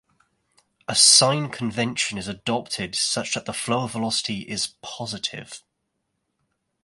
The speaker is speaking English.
A sign convention is adopted such that the flow velocity is "positive".